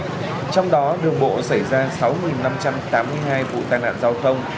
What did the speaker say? trong đó đường bộ xảy ra sáu năm trăm tám mươi hai vụ tai nạn giao thông